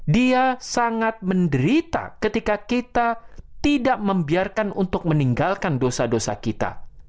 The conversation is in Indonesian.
dia sangat menderita ketika kita tidak membiarkan untuk meninggalkan dosa dosa kita